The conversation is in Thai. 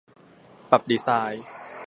ปรับดีไซน์